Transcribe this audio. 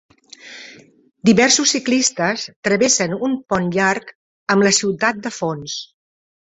Diversos ciclistes travessen un pont llarg amb la ciutat de fons.